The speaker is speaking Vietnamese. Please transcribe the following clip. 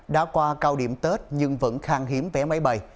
đã qua cao điểm tết nhưng vẫn khang hiếm vé máy bay